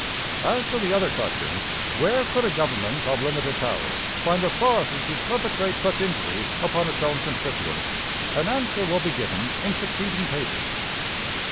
As to the other question Where could a government of limited powers find authority to perpetrate such injuries upon its own constituents? an answer will be given in succeeding pages.